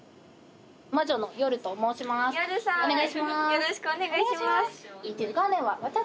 よろしくお願いします。